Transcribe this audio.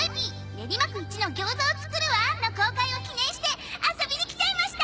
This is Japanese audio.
練馬区一のギョーザを作るわ！』の公開を記念して遊びに来ちゃいました！